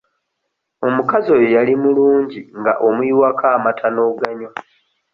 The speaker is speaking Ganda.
Omukazi oyo yali mulungi nga omuyiwako amata n'oganywa.